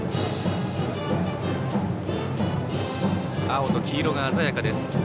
青と黄色が鮮やかです。